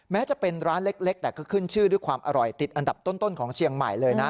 แม้จะเป็นร้านเล็กแต่ก็ขึ้นชื่อด้วยความอร่อยติดอันดับต้นของเชียงใหม่เลยนะ